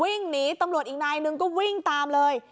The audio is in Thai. วิ่งหนีตำรวจอีกนายนึงก็วิ่งตามเลย